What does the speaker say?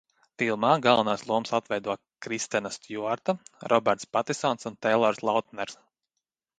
Filmā galvenās lomas atveido Kristena Stjuarta, Roberts Patinsons un Teilors Lautners.